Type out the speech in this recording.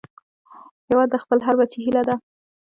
هیواد د خپل هر بچي هيله ده